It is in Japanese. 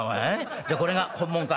じゃこれが本物か。